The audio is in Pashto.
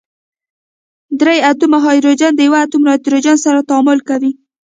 درې اتومه هایدروجن د یوه اتوم نایتروجن سره تعامل کوي.